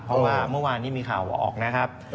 เพราะว่าเมื่อวานที่มีข่าวออกนะครับ